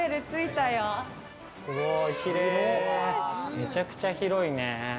めちゃくちゃ広いね。